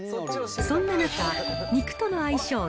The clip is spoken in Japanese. そんな中、肉との相性